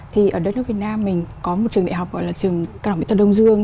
thì ở đất nước việt nam mình có một trường đại học gọi là trường cao mỹ thuật đông dương